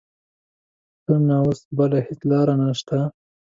ښه نو اوس بله هېڅ لاره نه شته.